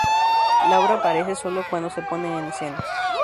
La obra aparece solo cuando se pone en escena.